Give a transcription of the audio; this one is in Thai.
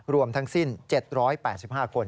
รวมทั้งสิ้น๗๘๕คน